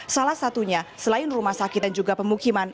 salah satunya selain rumah sakit dan juga pemukiman